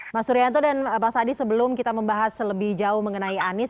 mas suryanto dan mas adi sebelum kita membahas lebih jauh mengenai anies